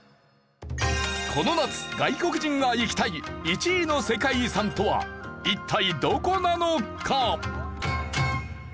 この夏外国人が行きたい１位の世界遺産とは一体どこなのか？